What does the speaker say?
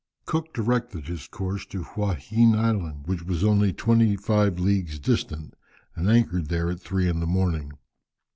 Cook directed his course to Huaheine Island, which was only twenty five leagues distant, and anchored there at three in the morning.